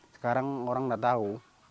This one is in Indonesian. sekarang orang tidak tahu